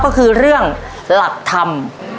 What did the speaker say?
ก็คือเรื่องหลักธรรม